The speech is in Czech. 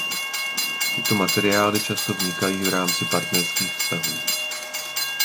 Tyto materiály často vznikají v rámci partnerských vztahů.